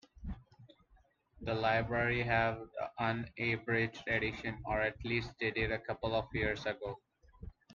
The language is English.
The library have the unabridged edition, or at least they did a couple of years ago.